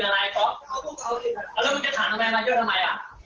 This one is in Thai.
อีกไม่ได้